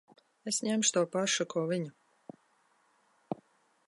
Es ņemšu to pašu, ko viņa.